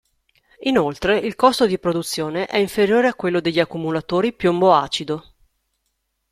Inoltre il costo di produzione è inferiore a quello degli accumulatori piombo-acido.